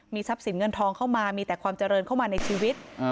ทรัพย์สินเงินทองเข้ามามีแต่ความเจริญเข้ามาในชีวิต